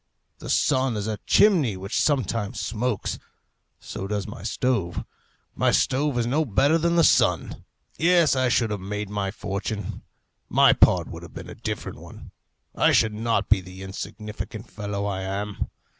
The sun is a chimney which sometimes smokes; so does my stove. My stove is no better than the sun. Yes, I should have made my fortune; my part would have been a different one I should not be the insignificant fellow I am.